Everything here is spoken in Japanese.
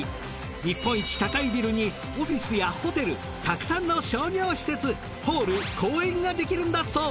日本一高いビルにオフィスやホテルたくさんの商業施設ホール公園ができるんだそう。